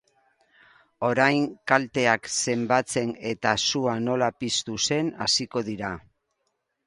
Orain kalteak zenbatzen eta sua nola piztu zen hasiko dira.